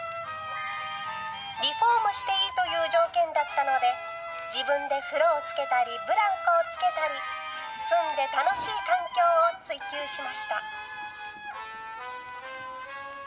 リフォームしていいという条件だったので、自分で風呂をつけたり、ブランコをつけたり、住んで楽しい環境を追求しました。